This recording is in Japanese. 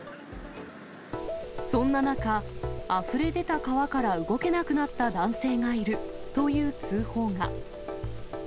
そんな中、あふれ出た川から動けなくなった男性がいるという通報が。